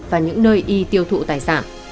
và những nơi y tiêu thụ tài sản